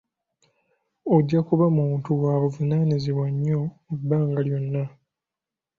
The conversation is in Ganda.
Ojja kuba muntu wa buvunaanyizibwa nyo ebbanga lyonna.